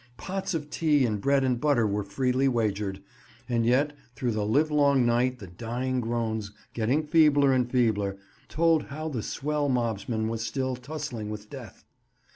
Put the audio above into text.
Pots of tea and bread and butter were freely wagered, and yet through the livelong night the dying groans, getting feebler and feebler, told how the swell mobsman was still tussling with death.